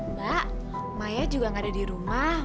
mbak maya juga gak ada di rumah